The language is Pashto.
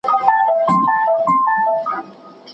ایا افغان سوداګر وچه مېوه صادروي؟